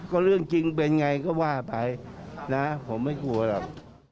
ก็เรื่องจริงเป็นไงก็ว่าไปนะผมไม่กลัวหรอก